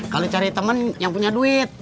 kalau cari teman yang punya duit